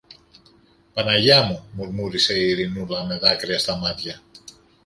Παναγία μου! μουρμούρισε η Ειρηνούλα με δάκρυα στα μάτια.